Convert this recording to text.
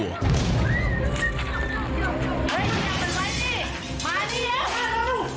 เฮ้ยอย่าเป็นไรสิ